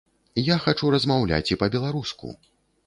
Я хачу размаўляць і па-беларуску.